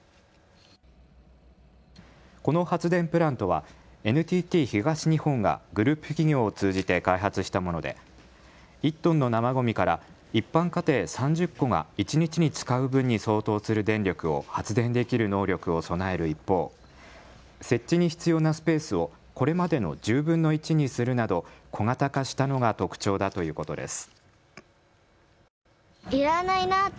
この発電プラントはＮＴＴ東日本がグループ企業を通じて開発したもので１トンの生ごみから一般家庭３０戸が一日に使う分に相当する電力を発電できる能力を備える一方、設置に必要なスペースをこれまでの１０分の１にするなど小型化したのが特徴だということです。